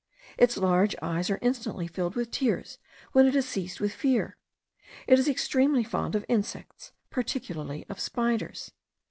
Its large eyes are instantly filled with tears, when it is seized with fear. It is extremely fond of insects, particularly of spiders.